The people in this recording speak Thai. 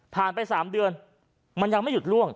ผ่านไปสามเดือนมันยังไม่หยุดร่วง